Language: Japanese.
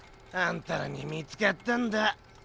あんたらにみつかったんだ。